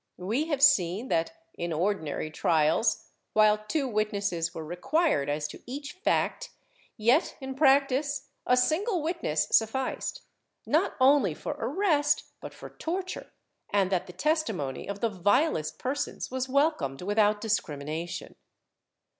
We have seen that, in ordinary trials, while two witnesses were required as to each fact yet, in practice, a single witness sufficed, not only for arrest but for torture and that the testimony of the vilest persons was welcomed without discrimination.